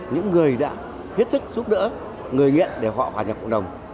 những người đã hết sức giúp đỡ người nghiện để họ hòa nhập cộng đồng